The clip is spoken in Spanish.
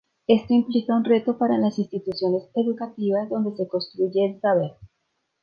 Esto implica un reto para las instituciones educativas donde se construye el saber.